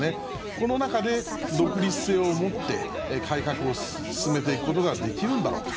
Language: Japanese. この中で、独立性を持って改革を進めていくことができるんだろうか。